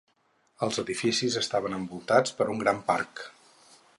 Els edificis estaven envoltats per un gran parc.